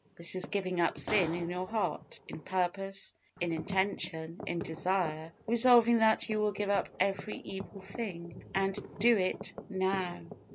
This is giving up sin in your heart, in purpose, in intention, in desire, resolving that you will give up every evil thing, and DO IT NOW.